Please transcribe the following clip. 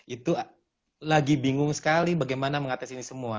itu lagi bingung sekali bagaimana mengatasi ini semua